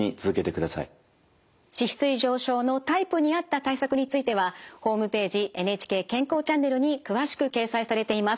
脂質異常症のタイプに合った対策についてはホームページ「ＮＨＫ健康チャンネル」に詳しく掲載されています。